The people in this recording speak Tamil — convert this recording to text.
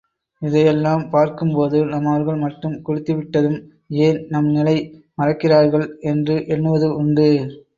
இதையெல்லாம் பார்க்கும்போது நம்மவர்கள் மட்டும் குடித்துவிட்டதும் ஏன் நம் நிலை மறக்கிறார்கள் என்று எண்ணுவது உண்டு.